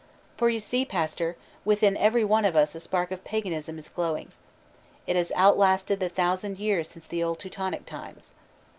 "For you see, pastor, within every one of us a spark of paganism is glowing. It has outlasted the thousand years since the old Teutonic times.